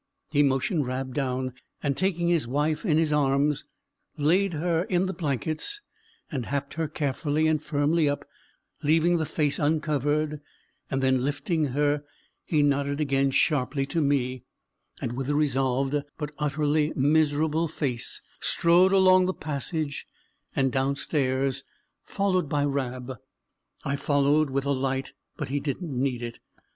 He motioned Rab down, and taking his wife in his arms, laid her in the blankets, and happed her carefully and firmly up, leaving the face uncovered; and then lifting her, he nodded again sharply to me, and with a resolved but utterly miserable face, strode along the passage, and downstairs, followed by Rab. I followed with a light; but he didn't need it.